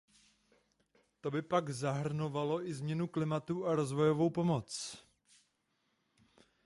To by pak zahrnovalo i změnu klimatu a rozvojovou pomoc.